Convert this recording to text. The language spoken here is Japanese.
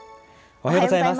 おはようございます。